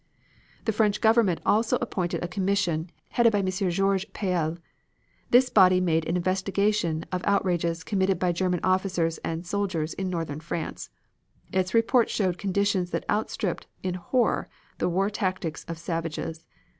The French Government also appointed a commission, headed by M. Georges Payelle. This body made an investigation of outrages committed by German officers and soldiers in Northern France. Its report showed conditions that outstripped in horror the war tactics of savages.